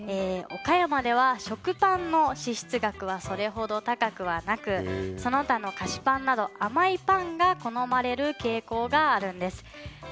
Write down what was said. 岡山では、食パンの支出額はそれほど高くはなくその他の菓子パンなど甘いパンが好まれる傾向があるんです。